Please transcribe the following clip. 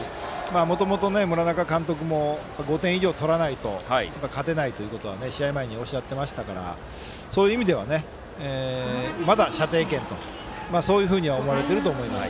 もともと村中監督も５点以上取らないと勝てないと試合前におっしゃっていましたからそういう意味ではまだ射程圏と思われていると思います。